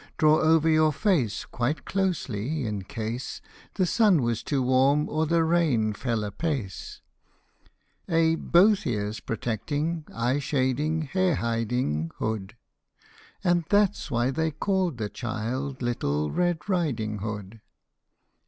Draw over your face quite closely, in case The sun was too warm or the rain fell apace, A both ears protecting, eyes shading, hair hiding hood. And that's why they called the child Little Red Riding Hood.